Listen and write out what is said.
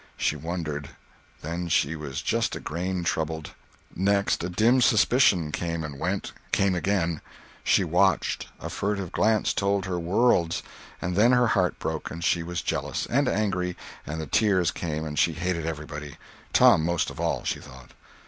She wondered; then she was just a grain troubled; next a dim suspicion came and went—came again; she watched; a furtive glance told her worlds—and then her heart broke, and she was jealous, and angry, and the tears came and she hated everybody. Tom most of all (she thought).